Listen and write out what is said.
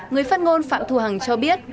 người phát ngôn phạm thu hằng cho biết